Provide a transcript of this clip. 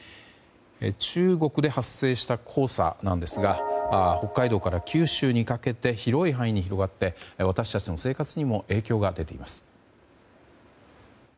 中国で発生した黄砂なんですが北海道から九州にかけて広い範囲に広がって私たちの生活にも影響が出ています。